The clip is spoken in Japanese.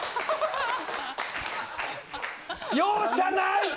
容赦ない！